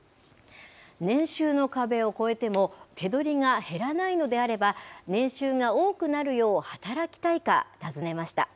年収の壁を超えても、手取りが減らないのであれば、年収が多くなるよう働きたいか尋ねました。